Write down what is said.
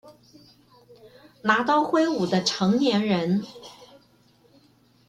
拿刀揮舞的成年人